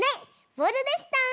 ボールでした。